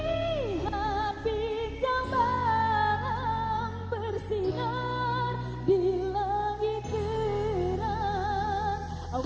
lihat bintang malam bersinar di langit terang